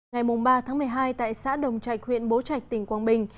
ngày ba tháng một mươi hai tại xã đồng trạch huyện bố trạch tỉnh quảng bình